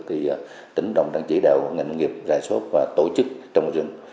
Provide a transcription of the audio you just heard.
thì tỉnh lâm đồng đang chỉ đạo ngành nông nghiệp ra sốt và tổ chức trồng rừng